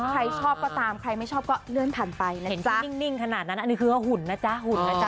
ใครชอบก็ตามใครไม่ชอบก็เลื่อนผ่านไปแล้วเห็นจะนิ่งขนาดนั้นอันนี้คือว่าหุ่นนะจ๊ะหุ่นนะจ๊